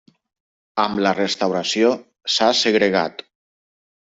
Amb la restauració s'ha segregat.